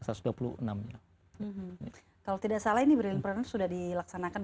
kalau tidak salah ini brilliant partner sudah dilaksanakan